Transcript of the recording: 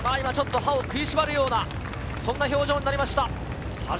今、歯を食いしばるような、そんな表情になりました。